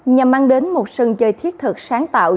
nhằm mang đến một sân chơi thiết thực sáng tạo